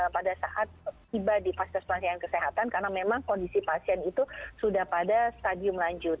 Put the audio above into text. pada saat tiba di pasir pasien kesehatan karena memang kondisi pasien itu sudah pada stadium lanjut